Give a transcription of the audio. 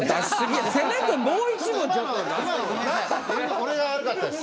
俺が悪かったです。